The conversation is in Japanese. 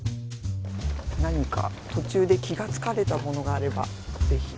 何か途中で気が付かれたものがあれば是非。